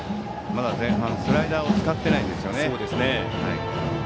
まだ前半スライダーを使っていないですね。